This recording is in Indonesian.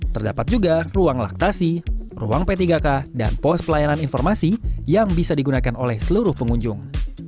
terdapat juga ruang laktasi ruang p tiga k dan pos pelayanan informasi yang bisa digunakan oleh seluruh pengunjung